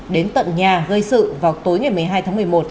đến tận nhà gây sự vào tối ngày một mươi hai tháng một mươi một